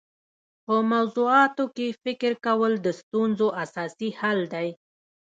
په موضوعاتو کي فکر کول د ستونزو اساسي حل دی.